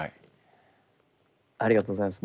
ありがとうございます。